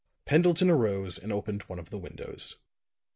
Pendleton arose and opened one of the windows.